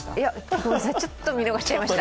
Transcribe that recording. ごめんなさいちょっと見逃しちゃいました。